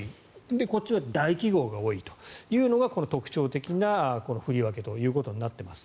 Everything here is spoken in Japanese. こっちは大企業が多いというのがこの特徴的な振り分けとなっています。